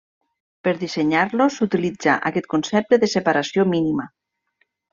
Per dissenyar-los, s’utilitza aquest concepte de separació mínima.